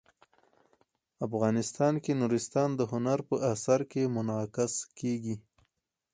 افغانستان کې نورستان د هنر په اثار کې منعکس کېږي.